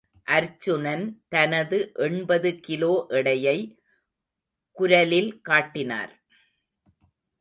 அர்ச்சுனன், தனது எண்பது கிலோ எடையை குரலில் காட்டினார்.